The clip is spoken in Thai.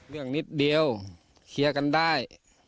เรื่องนิดเดียวเคลียร์กันได้